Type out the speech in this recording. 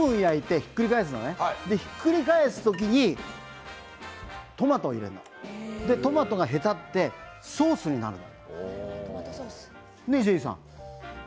ひっくり返す時にトマトを入れるのトマトがへたってソースになるの。